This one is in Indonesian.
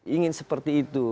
ingin seperti itu